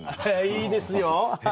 いいですよ！